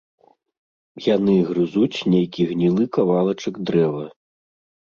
Яны грызуць нейкi гнiлы кавалачак дрэва...